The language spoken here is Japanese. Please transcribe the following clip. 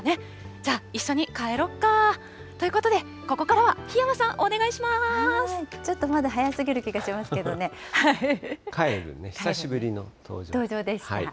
じゃあ一緒に帰ろうか。ということで、ここからは檜山さちょっとまだ早すぎる気がしカエルンね、久しぶりの登場登場でした。